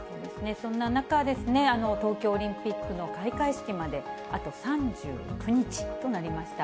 そんな中、東京オリンピックの開会式まで、あと３９日となりました。